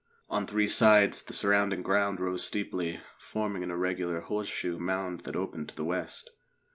On three sides the surrounding ground rose steeply, forming an irregular horseshoe mound that opened to the west.